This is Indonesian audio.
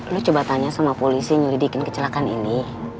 lu coba tanya sama polisi nyelidikin kecelakaan ini